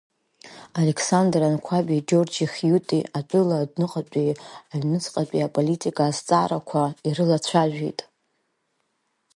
Александр Анқәаби Џьорџь Хьиуити атәыла адәныҟатәи аҩнуҵҟатәи аполитика азҵаарақәа ирылацәажәеит.